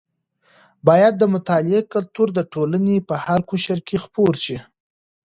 باید د مطالعې کلتور د ټولنې په هره قشر کې خپور شي.